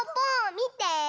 みて！